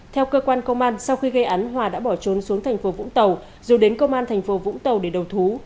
theo cơ quan công an sau khi gây án hòa đã bỏ trốn xuống thành phố vũng tàu rồi đến công an thành phố vũng tàu để đầu thú